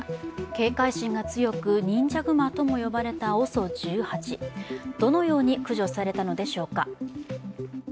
警戒心が強く忍者グマとも呼ばれたＯＳＯ１８、どのように駆除されたのでしょうか。